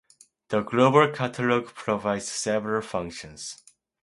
The Global Catalog provides several functions.